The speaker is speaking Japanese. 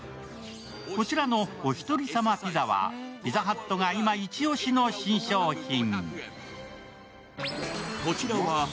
こちらのおひとりさまピザはピザハットが今、イチオシの新商品。